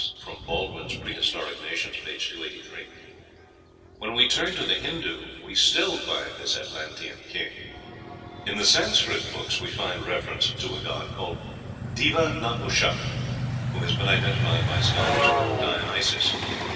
(Baldwin's "Prehistoric Nations," p. 283.) When we turn to the Hindoo we still find this Atlantean king. In the Sanscrit books we find reference to a god called Deva Nahusha, who has been identified by scholars with Dionysos.